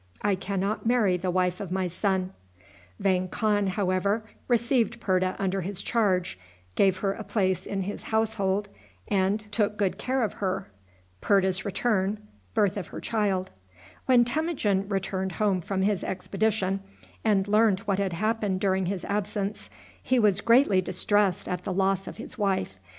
I can not marry the wife of my son." Vang Khan, however, received Purta under his charge, gave her a place in his household, and took good care of her. When Temujin returned home from his expedition, and learned what had happened during his absence, he was greatly distressed at the loss of his wife.